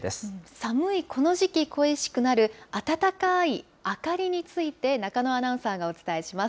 寒いこの時期、恋しくなる温かい明かりについて、中野アナウンサーがお伝えします。